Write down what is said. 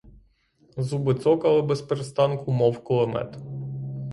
Зуби цокали безперестанку, мов кулемет.